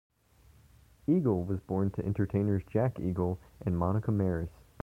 Eagle was born to entertainers Jack Eagle and Monica Maris.